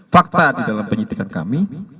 fakta di dalam penyidikan kami